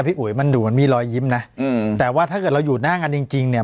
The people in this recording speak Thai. อุ๋ยมันดูเหมือนมีรอยยิ้มนะอืมแต่ว่าถ้าเกิดเราอยู่หน้ากันจริงจริงเนี่ย